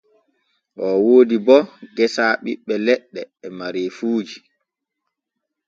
O woodi bo geesa ɓiɓɓe leɗɗe e mareefuuji.